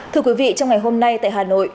thưa quý vị trong ngày hôm nay tại hà nội